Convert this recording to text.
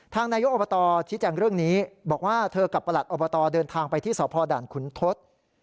นายกอบตชี้แจงเรื่องนี้บอกว่าเธอกับประหลัดอบตเดินทางไปที่สพด่านขุนทศ